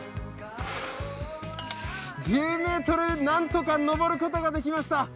１０ｍ、なんとか登ることができました。